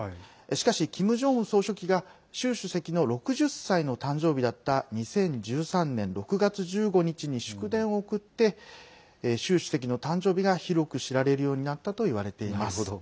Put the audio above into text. しかしキム・ジョンウン総書記が習主席の６０歳の誕生日だった２０１３年６月１５日に祝電を送って習主席の誕生日が広く知られるようになったといわれています。